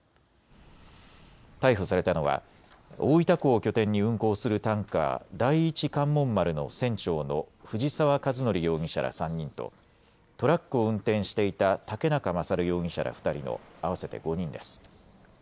逮捕されたのは大分港を拠点に運航するタンカー、第一関門丸の船長の藤原和則容疑者ら３人とトラックを運転していた竹中勝容疑者ら２人の合わせて５人です。